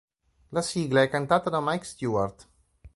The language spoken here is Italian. La sigla è cantata da Mike Stewart.